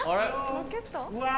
ロケット？